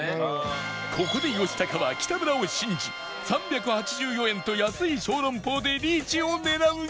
ここで吉高は北村を信じ３８４円と安い小籠包でリーチを狙うが